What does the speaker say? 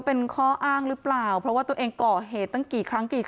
เป็นข้ออ้างหรือเปล่าเพราะว่าตัวเองก่อเหตุตั้งกี่ครั้งกี่